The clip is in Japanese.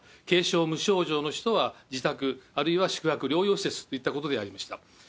軽症、無症状の人は自宅、あるいは宿泊療養施設といったことでありました。